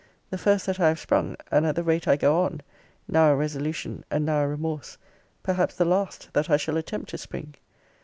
The first that I have sprung, and at the rate I go on (now a resolution, and now a remorse) perhaps the last that I shall attempt to spring.